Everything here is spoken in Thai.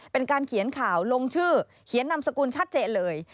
เป็นการเขียนข่าวลงชื่อเขียนนามสกุลชัดเจนเลย